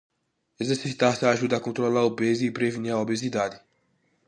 Exercitar-se ajuda a controlar o peso e prevenir a obesidade.